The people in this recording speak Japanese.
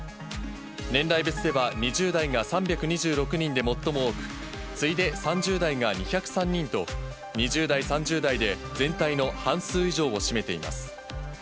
年代別では、２０代が３２６人で最も多く、次いで３０代が２０３人と、２０代、３０代で全体の半数以上を占めています。